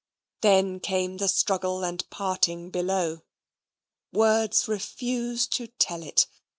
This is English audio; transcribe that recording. Then came the struggle and parting below. Words refuse to tell it.